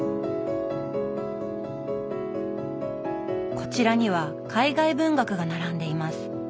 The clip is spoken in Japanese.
こちらには海外文学が並んでいます。